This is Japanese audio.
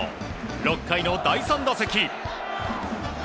６回の第３打席。